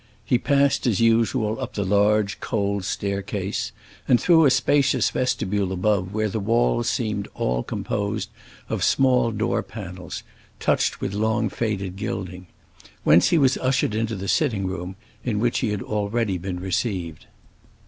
He passed as usual up the large, cold staircase and through a spacious vestibule above, where the walls seemed all composed of small door panels, touched with long faded gilding; whence he was ushered into the sitting room in which he had already been received.